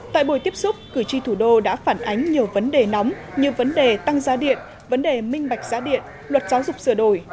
tại buổi tiếp xúc cử tri thủ đô đã phản ánh nhiều vấn đề nóng như vấn đề tăng giá điện vấn đề minh bạch giá điện luật giáo dục sửa đổi